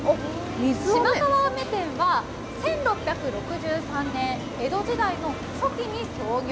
島川あめ店は、１６６３年江戸時代の初期に創業。